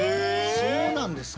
そうなんですか。